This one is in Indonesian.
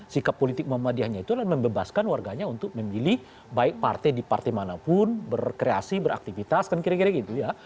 sikap politik muhammadiyahnya itu adalah membebaskan warganya untuk memilih baik partai di partai manapun berkreasi beraktivitas kan kira kira gitu ya